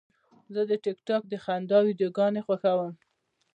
زه د ټک ټاک د خندا ویډیوګانې خوښوم.